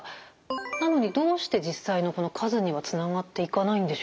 なのにどうして実際の数にはつながっていかないんでしょうか？